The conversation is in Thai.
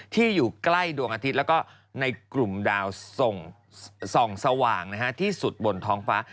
อยู่ใกล้ดวงอาทิตย์แล้วก็ในกลุ่มดาวส่องสว่างที่สุดบนท้องฟ้า